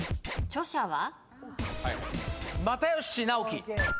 著者は？